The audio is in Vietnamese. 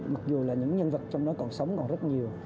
mặc dù là những nhân vật trong đó còn sống còn rất nhiều